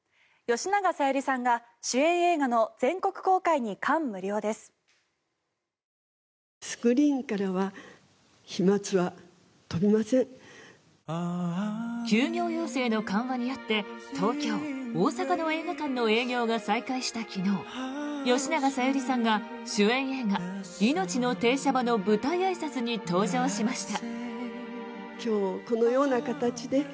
吉永小百合さんが主演映画「いのちの停車場」の舞台あいさつに登場しました。